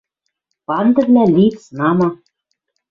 Пандывлӓ лит, знамы